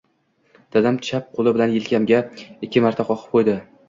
Dadam chap qoʻli bilan yelkamga ikki marta qoqib qoʻydi.